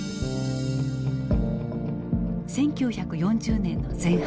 １９４０年の前半。